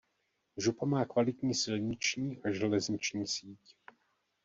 Župa má kvalitní silniční a železniční síť.